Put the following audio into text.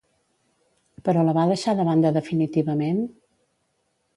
Però la va deixar de banda definitivament?